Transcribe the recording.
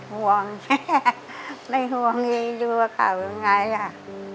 ห่วงแม่ไม่ห่วงให้ดูว่าเขายังไงอะ